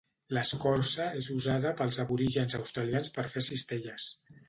L'escorça és usada pels aborígens australians per fer cistelles.